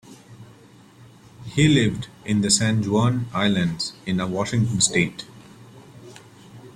He lived in the San Juan Islands in Washington state.